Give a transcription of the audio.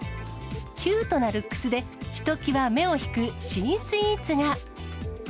キュートなルックスで、ひときわ目を引く新スイーツが。